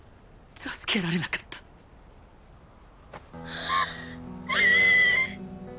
助けられなかったッ。